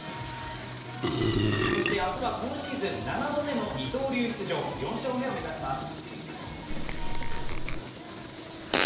明日は今シーズン７度目の二刀流出場、４勝目を目指します。